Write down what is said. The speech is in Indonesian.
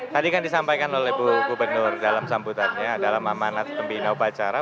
tadi kan disampaikan oleh bu gubernur dalam sambutannya adalah mamanat pembina upacara